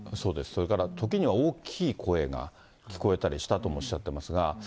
それから、時には大きい声が聞こえたりしたともおっしゃっていますが。